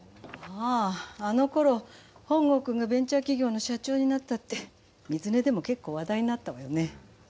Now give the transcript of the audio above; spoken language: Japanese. あああの頃本郷くんがベンチャー企業の社長になったって水根でも結構話題になったわよね。